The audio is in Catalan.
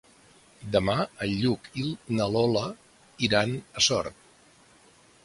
Demà en Lluc i na Lola iran a Sort.